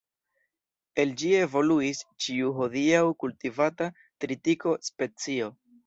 El ĝi evoluis ĉiu hodiaŭ kultivata tritiko-specio.